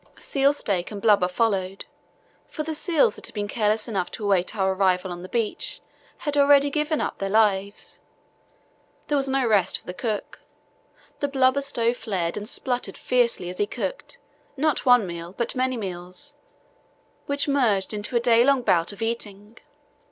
Seal steak and blubber followed, for the seals that had been careless enough to await our arrival on the beach had already given up their lives. There was no rest for the cook. The blubber stove flared and spluttered fiercely as he cooked, not one meal, but many meals, which merged into a day long bout of eating.